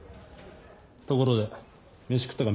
ところで飯食ったか？